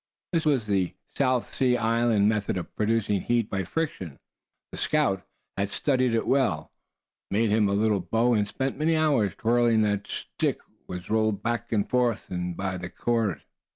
This was the South Sea Island method of producing heat by friction. The scout had studied it well, made him a little bow, and spent many hours twirling the stick that was rolled back and forward by the cord.